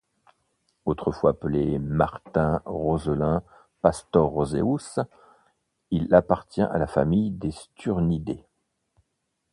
Autrefois appelé Martin roselin Pastor roseus, il appartient à la famille des Sturnidés.